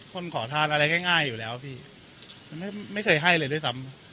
ขอทานอะไรง่ายอยู่แล้วพี่มันไม่เคยให้เลยด้วยซ้ำ